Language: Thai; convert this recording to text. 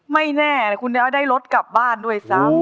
ไม่แน่นะคุณจะได้รถกลับบ้านด้วยซ้ำ